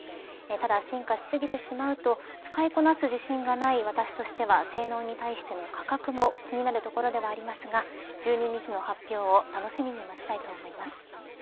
ただ、進化しすぎてしまうと使いこなす自信がない私としては性能に対しての価格も気になるところではありますが１２日の発表を楽しみに待ちたいと思います。